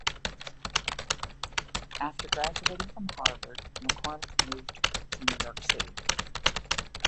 After graduating from Harvard, McCormack moved to New York City.